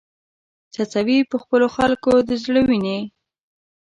څڅوې په خپلو خلکو د زړه وینې